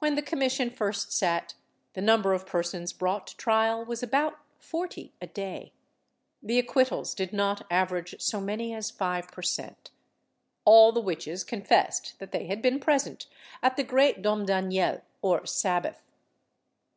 When the commission first sat, the number of persons brought to trial was about forty a day. The acquittals did not average so many as five per cent. All the witches confessed that they had been present at the great Domdaniel, or Sabbath.